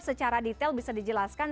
secara detail bisa dijelaskan